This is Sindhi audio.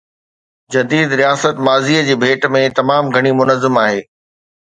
جديد رياست ماضي جي ڀيٽ ۾ تمام گهڻي منظم آهي.